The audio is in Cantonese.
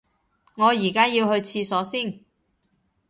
我而家要去廁所先